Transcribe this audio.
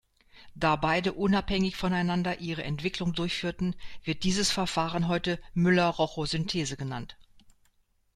Da beide unabhängig voneinander ihre Entwicklung durchführten, wird dieses Verfahren heute Müller-Rochow-Synthese genannt.